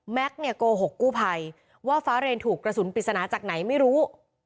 เนี่ยโกหกกู้ภัยว่าฟ้าเรนถูกกระสุนปริศนาจากไหนไม่รู้